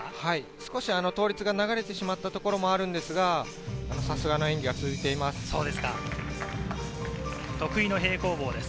少し倒立が流れてしまったところがあるんですが、さすがの演技が続いています。